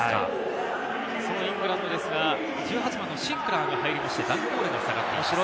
そのイングランドですが、シンクラーが入りまして、ダン・コールが下がっています。